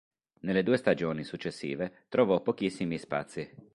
Nelle due stagioni successive trovò pochissimi spazi.